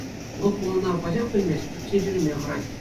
Вӑл хулана пачах пӗлмест, пӗччен ҫӳреме хӑрать.